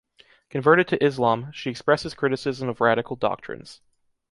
Converted to Islam, she expresses criticism of radical doctrines.